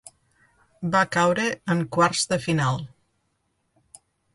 Va caure en quarts de final.